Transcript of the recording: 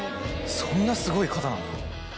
そんなすごい方なんだ。